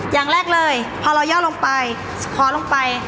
อย่างแรกเลยพอเราย่อลงไปขอลงไป